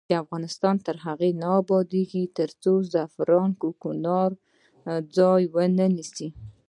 افغانستان تر هغو نه ابادیږي، ترڅو زعفران د کوکنارو ځای ونه نیسي.